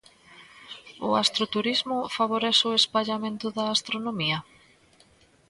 O astroturismo favorece o espallamento da astronomía?